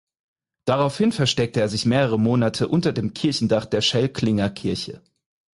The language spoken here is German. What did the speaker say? Daraufhin versteckte er sich mehrere Monate unter dem Kirchendach der Schelklinger Kirche.